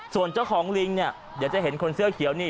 ส่วนเจ้าของลิงเนี่ยเดี๋ยวจะเห็นคนเสื้อเขียวนี่